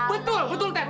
udah ngapa tete